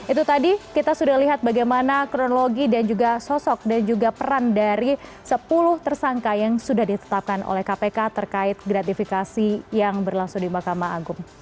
itu tadi kita sudah lihat bagaimana kronologi dan juga sosok dan juga peran dari sepuluh tersangka yang sudah ditetapkan oleh kpk terkait gratifikasi yang berlangsung di mahkamah agung